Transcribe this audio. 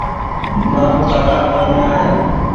مآ رو ڪآڪآ پرمي آئي